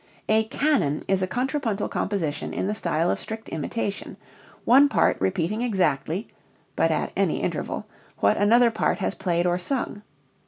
A canon is a contrapuntal composition in the style of strict imitation, one part repeating exactly (but at any interval) what another part has played or sung.